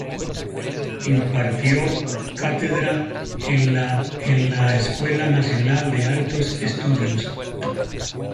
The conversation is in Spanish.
Impartió cátedra en la en la Escuela Nacional de Altos Estudios.